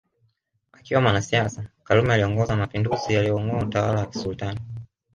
Akiwa mwanasiasa karume aliongoza mapinduzi yalioungoa utawala wa kisultan